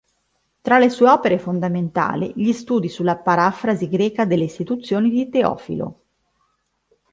Tra le sue opere fondamentali, gli studi sulla "Parafrasi greca delle Istituzioni" di Teofilo.